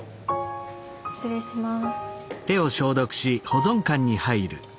失礼します。